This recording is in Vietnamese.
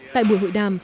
tại buổi hội đàm